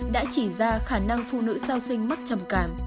đã chỉ ra khả năng phụ nữ sau sinh mắc trầm cảm